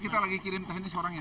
kita lagi kirim teknis orangnya